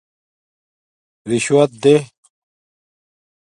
رِشوت دے